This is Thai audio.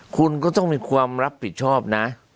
คุณก็ต้องมีความรับผิดชอบนะ